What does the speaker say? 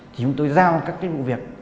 thì chúng tôi giao các cái vụ việc